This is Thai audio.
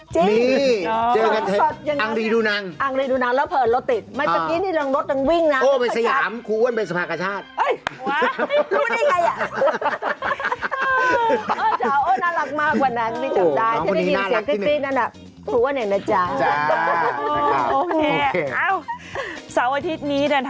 จริงเจอกันเท็จอังดีดุแ